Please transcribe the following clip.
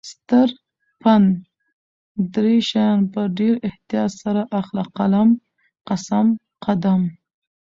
ستر پند: دری شیان په ډیر احتیاط سره اخله: قلم ، قسم، قدم